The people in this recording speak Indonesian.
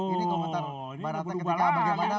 ini komentar mbak rata ketika bagaimana menganggap ahok